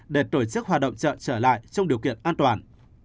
để tổ chức hoạt động chợ trở lại trong điều kiện an toàn